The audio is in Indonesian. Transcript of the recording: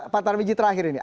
pak sutar miji terakhir ini